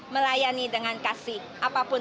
melayani dengan kasih apapun